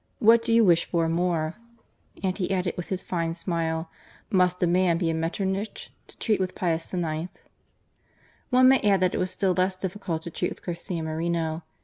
What do you wish for more ?" And he added* with his fine smile :Must a man be a Mettemich to treat u ith Pius IX. ?" One may add that it was still less difficult to treat with Garcia Moreno.